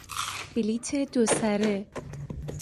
بلیت دو سره